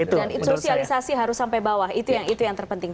dan sosialisasi harus sampai bawah itu yang terpenting